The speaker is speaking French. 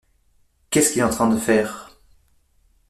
Qu’est-ce qu’il est en train de faire ?